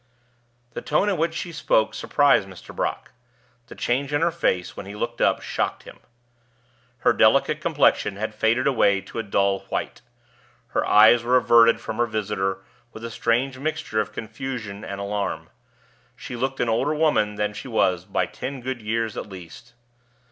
The tone in which she spoke surprised Mr. Brock. The change in her face, when he looked up, shocked him. Her delicate complexion had faded away to a dull white; her eyes were averted from her visitor with a strange mixture of confusion and alarm; she looked an older woman than she was, by ten good years at least.